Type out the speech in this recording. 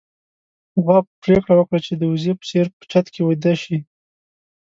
غوا پرېکړه وکړه چې د وزې په څېر په چت کې ويده شي.